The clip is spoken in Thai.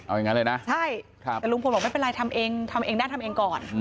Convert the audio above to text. เอาอย่างนั้นเลยนะใช่แต่ลุงพลบอกไม่เป็นไรทำเองทำเองได้ทำเองก่อน